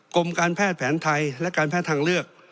กรมการแพทย์แผนไทยและการแพทย์ทางเลือก